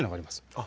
あっ